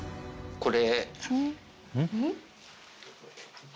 これ。